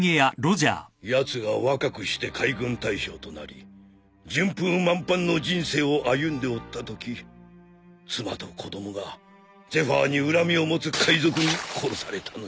やつが若くして海軍大将となり順風満帆の人生を歩んでおったとき妻と子供がゼファーに恨みを持つ海賊に殺されたのじゃ。